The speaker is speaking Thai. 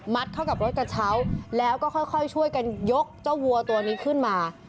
เข้ากับรถกระเช้าแล้วก็ค่อยช่วยกันยกเจ้าวัวตัวนี้ขึ้นมา